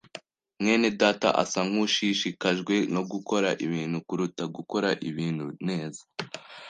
mwene data asa nkushishikajwe no gukora ibintu kuruta gukora ibintu neza.